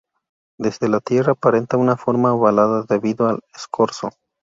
Desde la Tierra aparenta una forma ovalada debido al escorzo.